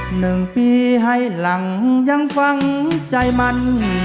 หนึ่งปีให้หลังยังฟังใจมัน